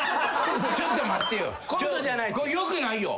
ちょっと待ってよ。